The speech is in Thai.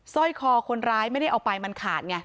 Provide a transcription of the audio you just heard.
สร้อยคอคนร้ายไม่ได้เอาไปมันขาดไง